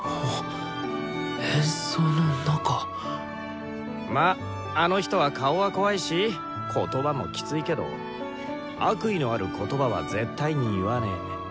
演奏の中まああの人は顔は怖いし言葉もきついけど悪意のある言葉は絶対に言わねぇ。